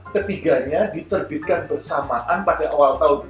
ketiganya diterbitkan bersamaan pada awal tahun